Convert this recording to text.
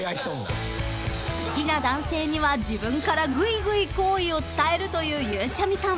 ［好きな男性には自分からグイグイ好意を伝えるというゆうちゃみさん］